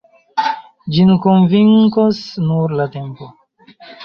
Ĝin konvinkos nur la tempo.